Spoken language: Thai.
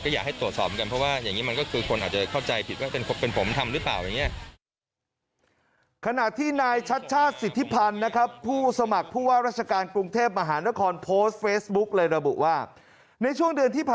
ก็อยากให้ตรวจสอบกันเพราะว่าอย่างนี้มันก็คือ